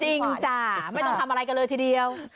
จริงจ้ะไม่ต้องทำอะไรกันเลยทีเดียว